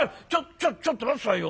ちょっちょっと待って下さいよ。